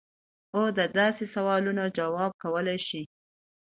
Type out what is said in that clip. او د داسې سوالونو جواب کولے شي -